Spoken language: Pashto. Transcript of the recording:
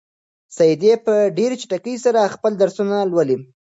سعید په ډېرې چټکۍ سره خپل درسونه لولي.